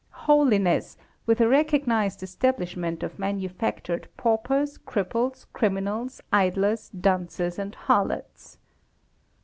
Holiness! With a recognised establishment of manufactured paupers, cripples, criminals, idlers, dunces, and harlots.